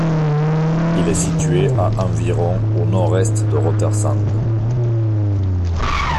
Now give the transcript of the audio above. Il est situé à environ au nord-est de Roter Sand.